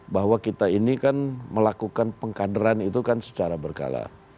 bahwa kita ini kan melakukan pengkaderan itu kan secara berkala